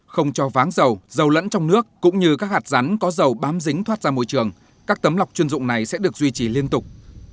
không cho váng dầu dầu dầu lẫn trong nước cũng như các hạt rắn có dầu bám dính thoát ra môi trường các tấm lọc chuyên dụng này sẽ được duy trì liên tục